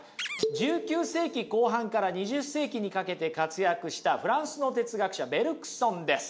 １９世紀後半から２０世紀にかけて活躍したフランスの哲学者ベルクソンです。